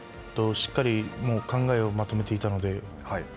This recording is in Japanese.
しっかりもう考えをまとめていたので。